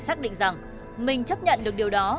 chắc định rằng mình chấp nhận được điều đó